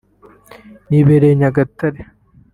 yibereye Nyagatare